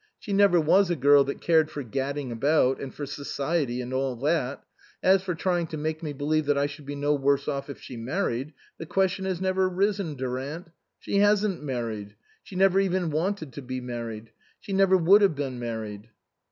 She never was a girl that cared for gadding about, and for society and that. As for trying to make me believe that I should be no worse off if she married, the question has never risen, Durant. She hasn't married. She never even wanted to be married. She never would have been mar ried."